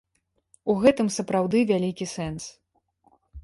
У гэтым сапраўды вялікі сэнс.